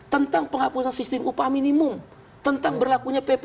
tentang penghapusan sistem upah minimum tentang berlakunya pp tujuh puluh delapan